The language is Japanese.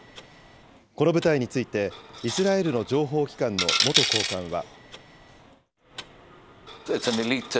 この部隊について、イスラエルの情報機関の元高官は。